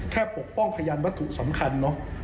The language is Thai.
แค่ปกป้องพยานวัตถุสำคัญ